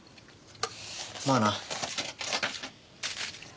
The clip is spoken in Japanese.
まあな。